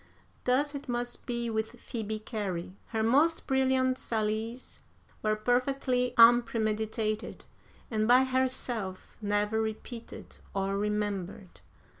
Thus it must be with Phoebe Cary. Her most brilliant sallies were perfectly unpremeditated, and by herself never repeated or remembered.